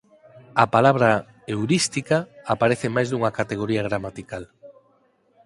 A palabra "heurística" aparece en máis dunha categoría gramatical.